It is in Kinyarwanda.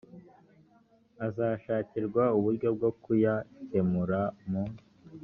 azashakirwa uburyo bwo kuyakemura mu